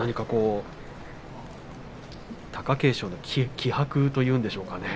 貴景勝の気迫というんでしょうか。